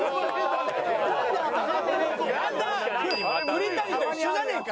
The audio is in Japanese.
栗谷と一緒じゃねえか！